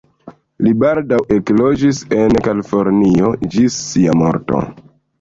Li baldaŭ ekloĝis en Kalifornio ĝis sia morto.